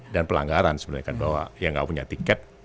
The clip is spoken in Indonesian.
dan pelanggaran sebenarnya kan bahwa yang tidak punya tiket